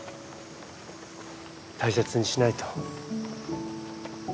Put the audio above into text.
大切にしないと。